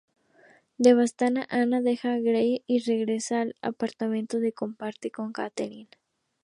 Devastada, Ana deja a Grey y regresa al apartamento que comparte con Katherine.